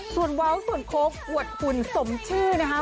ส่วนเว้าส่วนโค้กอวดหุ่นสมชื่อนะคะ